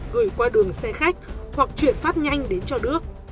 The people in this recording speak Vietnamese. gửi qua đường xe khách hoặc chuyển phát nhanh đến cho đức